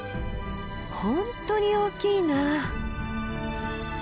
本当に大きいな。